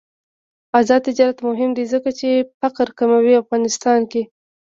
آزاد تجارت مهم دی ځکه چې فقر کموي افغانستان کې.